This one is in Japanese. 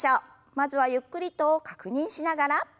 まずはゆっくりと確認しながら。